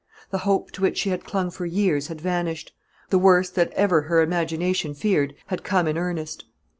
The hope to which she had clung for years had vanished; the worst that ever her imagination feared had come in earnest.